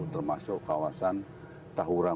termasuk kawasan tahurang